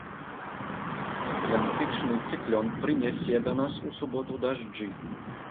Атлантычны цыклон прынясе прынясе да нас у суботу дажджы.